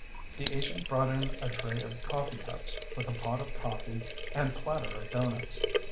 The agent brought in a tray of coffee cups, with a pot of coffee and platter of doughnuts.